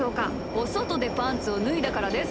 おそとでパンツをぬいだからです。